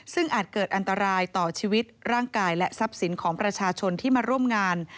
ซึ่งอาจเกิดอันตรายต่อชีวิตร่างกายและทรัพย์สินของประชาชนที่มาร่วมงาน